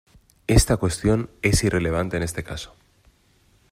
Esta cuestión es irrelevante en este caso.